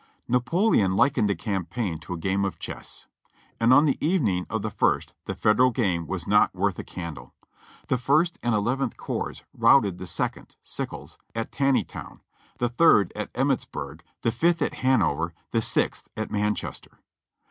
" Napoleon likened a campaign to a game of chess ; and on the evening of the ist the Federal game was not worth a candle. The First and Eleventh Corps routed the Second (Sickles's) at Taneytown, the Third at Emmitsburg, the Fifth at Hanover, the Sixth at Manchester.